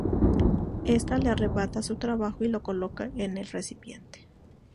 Ésta le arrebata su trabajo y lo coloca en el recipiente.